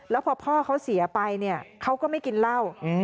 แล้วพอพ่อเขาเสียไปเนี่ยเขาก็ไม่กินเหล้า